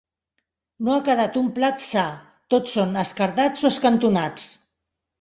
No ha quedat un plat sa: tots són esquerdats o escantonats.